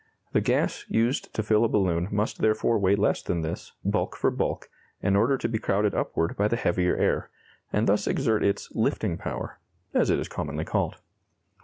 The gas used to fill a balloon must therefore weigh less than this, bulk for bulk, in order to be crowded upward by the heavier air and thus exert its "lifting power," as it is commonly called.